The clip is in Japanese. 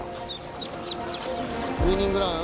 ウイニングラン？